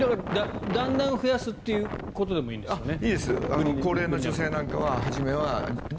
だんだん増やすということでもいいんですよね。